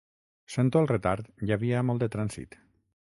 Sento el retard, hi havia molt de trànsit.